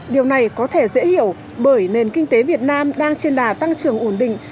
điều này có thể dễ hiểu bởi nền kinh tế việt nam đang trên đà tăng trưởng ổn định